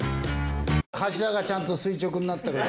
柱がちゃんと垂直になってるか。